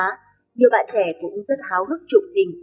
nhiều bạn trẻ cũng rất háo hức trụng tình